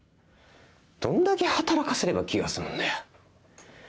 どんだけ働かせれば気が済むんだよ。